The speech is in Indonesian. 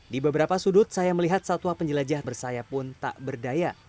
di beberapa sudut saya melihat satwa penjelajah bersayap pun tak berdaya